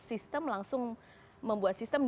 sistem langsung membuat sistem